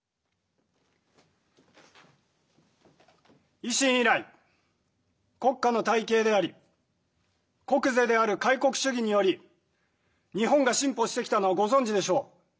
維新以来国家の大計であり国是である開国主義により日本が進歩してきたのはご存じでしょう。